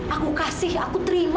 aku kasih aku terima